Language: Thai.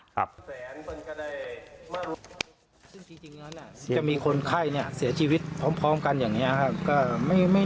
จริงแล้วจะมีคนไข้เสียชีวิตพร้อมกันอย่างนี้